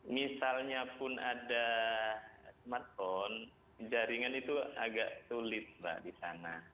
misalnya pun ada smartphone jaringan itu agak sulit mbak di sana